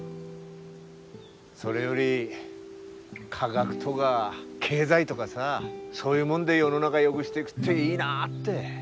それより科学とか経済とかさそういうもんで世の中よぐしていぐっていいなって。